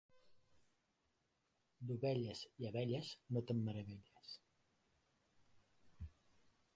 D'ovelles i abelles no te'n meravelles.